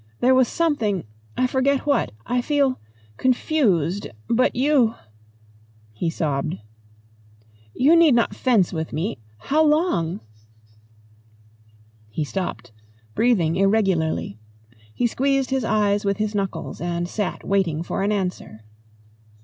There was something I forget what. I feel confused. But you " He sobbed. "You need not fence with me. How long ?" He stopped, breathing irregularly. He squeezed his eyes with his knuckles and sat waiting for an answer.